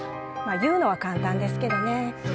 まあ言うのは簡単ですけどね。